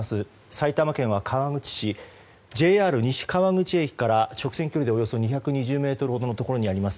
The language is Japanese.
埼玉県川口市、ＪＲ西川口駅から直線距離でおよそ２２０ｍほどのところにあります